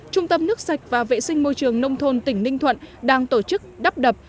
trung tâm nước sạch và vệ sinh môi trường nông thôn tỉnh ninh thuận đang tổ chức đắp đập